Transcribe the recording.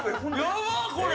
やばっ、これ！